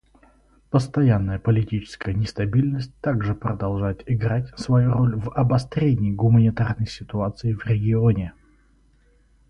Постоянная политическая нестабильность также продолжает играть свою роль в обострении гуманитарной ситуации в регионе.